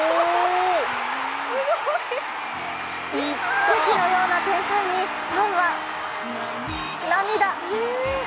奇跡のような展開にファンは涙。